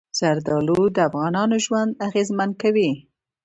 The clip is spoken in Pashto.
زردالو د افغانانو ژوند اغېزمن کوي.